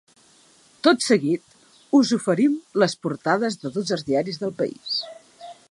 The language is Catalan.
Tot seguit, us oferim les portades de tots els diaris del país.